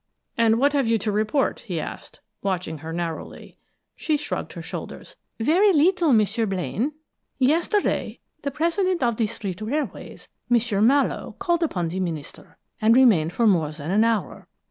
"And what have you to report?" he asked, watching her narrowly. She shrugged her shoulders. "Very little, M'sieu Blaine. Yesterday the president of the Street Railways, M'sieu Mallowe, called on the minister, and remained for more than an hour.